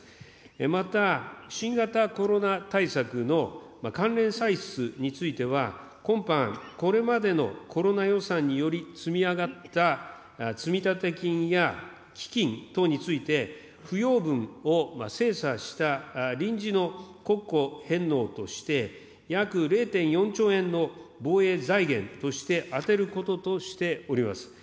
また、新型コロナ対策の関連歳出については、今般これまでのコロナ予算により積み上がった積立金や基金等について、不要分を精査した臨時の国庫返納として約０．４兆円の防衛財源として充てることとしております。